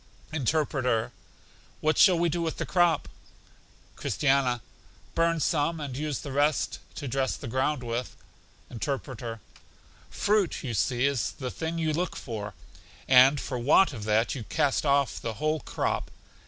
Interpreter: What shall we do with the crop? Christiana: Burn some, and use the rest to dress the ground with. Interpreter: Fruit, you see, is the thing you look for, and for want of that you cast off the whole crop.